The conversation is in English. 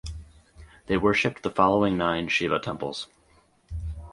They worshipped the following nine Shiva temples.